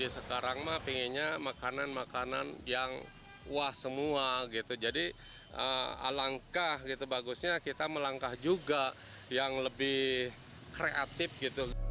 sampai jumpa di video selanjutnya